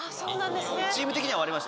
チーム的には割れました。